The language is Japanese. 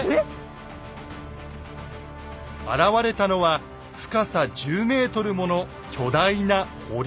現れたのは深さ１０ｍもの巨大な堀。